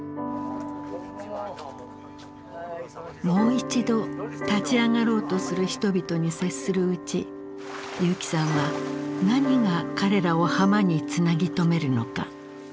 もう一度立ち上がろうとする人々に接するうち結城さんは何が彼らを浜につなぎ止めるのか